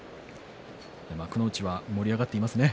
幕内は盛り上がっていますね。